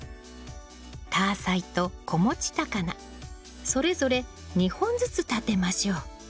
タアサイと子持ちタカナそれぞれ２本ずつ立てましょう。